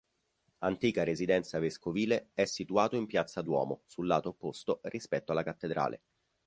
Antica residenza vescovile, è situato in piazza Duomo sul lato opposto rispetto alla cattedrale.